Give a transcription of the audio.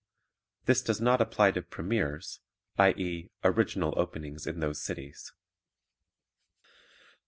This does not apply to premieres, i.e., original openings in those cities.